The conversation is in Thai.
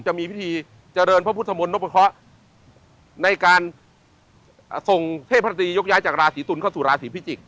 จะมีพิธีเจริญพระพุทธมนต์นพเคราะห์ในการส่งเทพตรียกย้ายจากราศีตุลเข้าสู่ราศีพิจิกษ